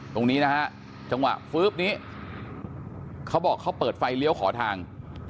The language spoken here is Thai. ตรงนี้เฉิงวะฟุ๊บนี้เขาบอกเขาเปิดไฟแล้วขอทาง